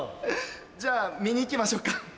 じゃあ見に行きましょうか。